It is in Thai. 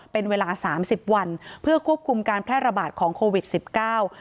เป็นเวลาสามสิบวันเพื่อควบคุมการแพร่ระบาดของโควิดสิบเก้า